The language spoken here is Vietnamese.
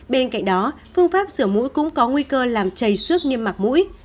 bên cạnh đó phương pháp sửa mũi cũng có nguy cơ làm chầy xước niêm mặc mũi